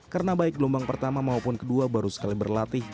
karena baik gelombang pertama maupun kedua baru sekali berlatih